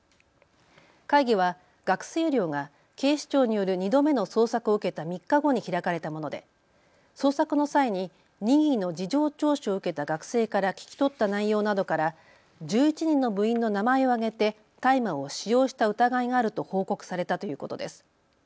会議は学生寮が警視庁による２度目の捜索を受けた３日後に開かれたもので捜索の際に任意の事情聴取を受けた学生から聞き取った内容などから１１人の部員の名前を挙げて大麻を使用した疑いがあると報告されたということです。